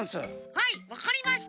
はいわかりました！